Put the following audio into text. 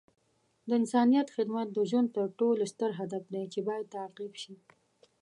د انسانیت خدمت د ژوند تر ټولو ستر هدف دی چې باید تعقیب شي.